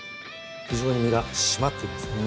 非常に身が締まってます